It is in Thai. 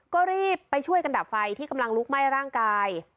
ก็รีบไปช่วยกันดับไฟที่กำลังลุกไหม้ร่างกาย